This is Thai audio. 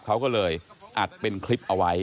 เขาก็เลยอัดเป็นคลิปเอาไว้